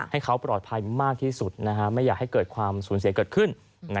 ให้เขาปลอดภัยมากที่สุดไม่อยากให้เกิดความสูญเสียเกิดขึ้น